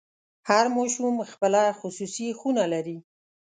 هر ماشوم خپله خصوصي خونه لري.